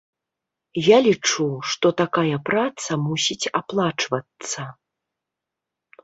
Я лічу, што такая праца мусіць аплачвацца.